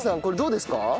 これどうですか？